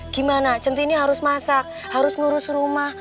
gimana centini harus masak harus ngurus rumah